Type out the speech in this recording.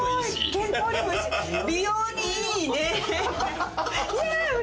健康にもいいし美容にいいね！